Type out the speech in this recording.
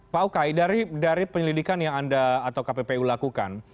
pak ukay dari penyelidikan yang anda atau kppu lakukan